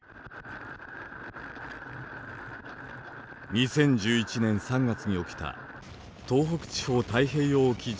２０１１年３月に起きた東北地方太平洋沖地震。